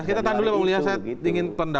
kita tahan dulu pak mulya